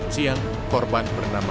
siang korban bernama